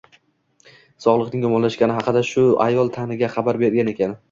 Sog`lig`ing yomonlashgani haqida shu ayol Taniga xabar bergan ekan